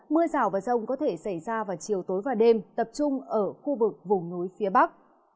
mưa rào và rông có thể xảy ra vào chiều tối và đêm tập trung ở khu vực vùng núi phía bắc